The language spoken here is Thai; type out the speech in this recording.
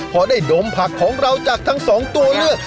พอได้ดมผักของเราจากทั้งสองตัวเลือก